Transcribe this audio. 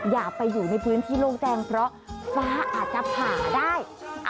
อย่าไปอยู่ในพื้นที่โล่งแดงเพราะฟ้าอาจจะผ่าได้